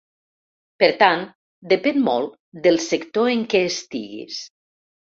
Per tant, depèn molt del sector en què estiguis.